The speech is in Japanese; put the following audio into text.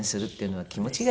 はい。